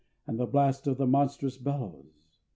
And the blast of the monstrous bellows!